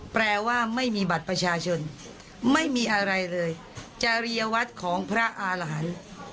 แปลว่าไม่มีบัตรประชาชนไม่มีอะไรเลยจริยวัตรของพระอารหันต์